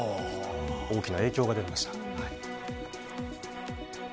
大きな影響が出ました。